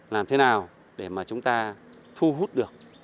làm thế nào để mà chúng ta thu hút được